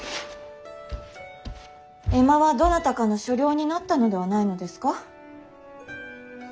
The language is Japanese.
江間はどなたかの所領になったのではないのですか。